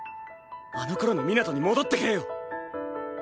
あの頃のみなとに戻ってくれよ。